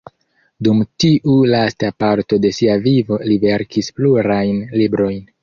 Dum tiu lasta parto de sia vivo li verkis plurajn librojn.